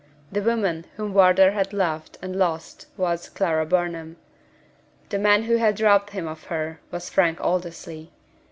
The woman whom Wardour had loved and lost was Clara Burnham. The man who had robbed him of her was Frank Aldersley.